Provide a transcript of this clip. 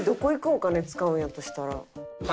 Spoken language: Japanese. お金使うんやとしたら。